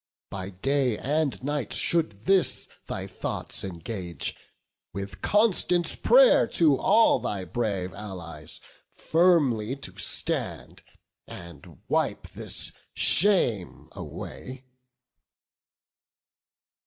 By day and night should this thy thoughts engage, With constant pray'r to all thy brave allies, Firmly to stand, and wipe this shame away."